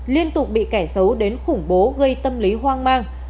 liên tục bị kẻ xấu đến khủng bố gây tâm lý hoang mang